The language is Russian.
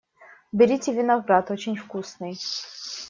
Берите виноград, очень вкусный!